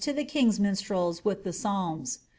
to the king's minstrels with the pshalms.